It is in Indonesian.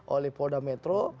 oleh polda metro